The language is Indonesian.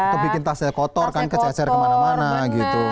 atau bikin tasnya kotor kan kececer kemana mana gitu